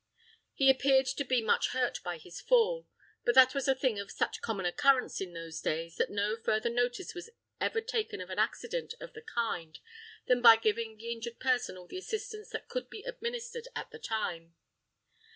He appeared to be much hurt by his fall; but that was a thing of such common occurrence in those days, that no further notice was ever taken of an accident of the kind than by giving the injured person all the assistance that could be administered at the time.